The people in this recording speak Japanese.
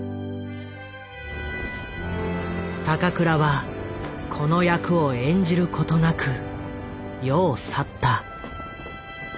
高倉はこの役を演じることなく世を去った。